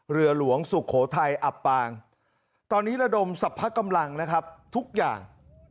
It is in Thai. เรือหลวงสุโขทัยอับปางตอนนี้ระดมสรรพกำลังนะครับทุกอย่าง